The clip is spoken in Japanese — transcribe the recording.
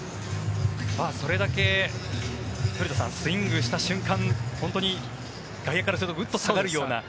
それだけスイングした瞬間外野からすると下がるような。